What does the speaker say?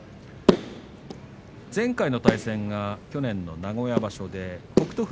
前回の対戦が去年の名古屋場所で北勝